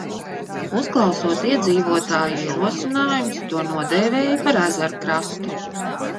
"Uzklausot iedzīvotāju ierosinājumus, to nodēvēja par "Ezerkrastu"."